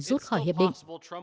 rút khỏi hiệp định